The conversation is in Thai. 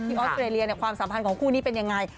ออสเตรเลียความสัมพันธ์ของคู่นี้เป็นยังไง